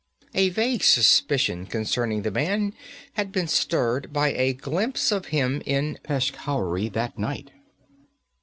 A vague suspicion concerning the man had been stirred by a glimpse of him in Peshkhauri that night.